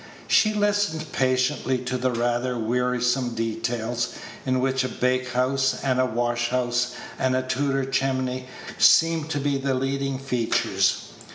She listened patiently to the rather wearisome details, in which a bake house, and a wash house, and a Tudor chimney seemed the leading features.